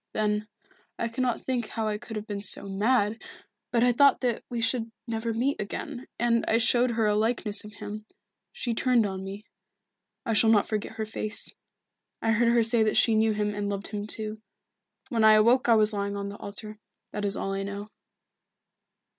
Then I cannot think how I could have been so mad but I thought that we should never meet again, and I showed her a likeness of him. She turned on me. I shall not forget her face. I heard her say that she knew him and loved him too. When I awoke I was lying on the altar. That is all I know."